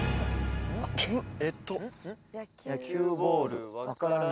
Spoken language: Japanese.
えっと「野球ボール」「分からない」。